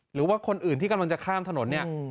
หรือว่าคนอื่นที่กำลังจะข้ามถนนเนี่ย